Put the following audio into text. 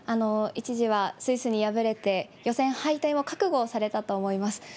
一時はスイスに敗れて、予選敗退を覚悟されたと思います。